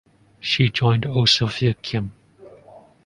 She joined Osoaviakhim.